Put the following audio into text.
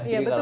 iya betul ya